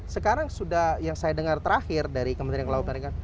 sekarang sudah yang saya dengar terakhir dari kementerian kelautan ikan